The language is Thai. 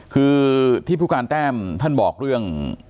คือที่ผู้การแต้มท่านบอกเรื่อง